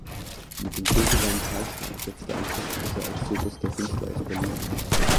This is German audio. Mit dem kulturellen Kahlschlag setzte ein plötzlicher Exodus der Künstler aus Berlin ein.